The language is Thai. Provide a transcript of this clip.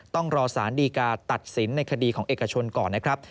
ต้องรอสารดีกาตัดสินในคดีของเอกชนก่อนนะครับ